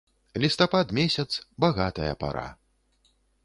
Лістапад месяц, багатая пара.